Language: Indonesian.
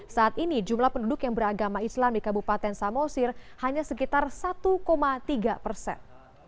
saat ini jumlah penduduk yang beragama islam di kabupaten samosir hanya sekitar satu tiga persen